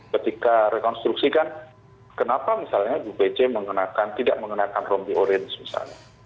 ketika rekonstruksi kan kenapa misalnya bupj mengenakan tidak mengenakan rompi orins misalnya